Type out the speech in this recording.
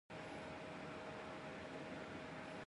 ブルータスお前もか